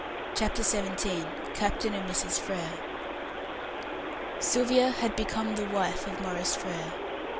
CHAPTER XVII. CAPTAIN AND MRS. FRERE. Sylvia had become the wife of Maurice Frere.